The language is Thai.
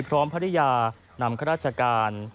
พร้อมพระริยานำคราชการ